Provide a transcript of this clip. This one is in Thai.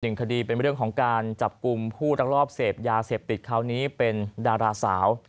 คดีเป็นเรื่องของการจับกลุ่มผู้รักรอบเสพยาเสพติดคราวนี้เป็นดาราสาว